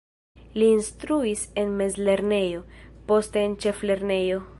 Li instruis en mezlernejo, poste en ĉeflernejo.